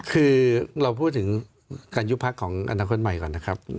คือเราพูดถึงการยุบพักของอนาคตใหม่ก่อนนะครับ